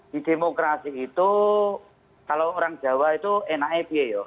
di demokrasi itu kalau orang jawa itu naeb ya